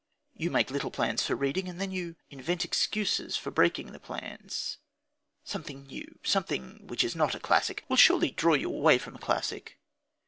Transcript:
You make little plans for reading, and then you invent excuses for breaking the plans. Something new, something which is not a classic, will surely draw you away from a classic.